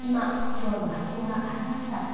今日の発表がありました。